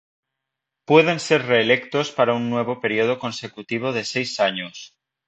Pueden ser reelectos para un nuevo periodo consecutivo de seis años.